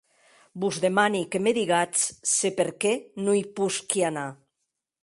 Vos demani que me digatz se per qué non i posqui anar.